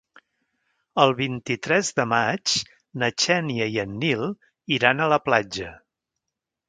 El vint-i-tres de maig na Xènia i en Nil iran a la platja.